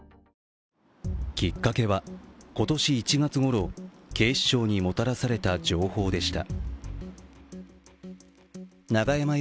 きっかけは、今年１月ごろ警視庁にもたらされた情報でした。